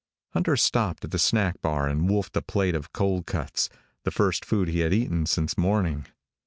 Hunter stopped at the snack bar and wolfed a plate of cold cuts, the first food he had eaten since morning.